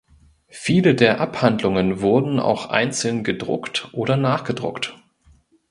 Viele der Abhandlungen wurden auch einzeln gedruckt oder nachgedruckt.